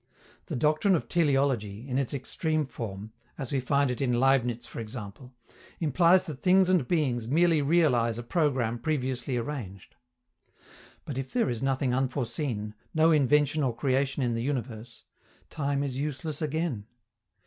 The doctrine of teleology, in its extreme form, as we find it in Leibniz for example, implies that things and beings merely realize a programme previously arranged. But if there is nothing unforeseen, no invention or creation in the universe, time is useless again.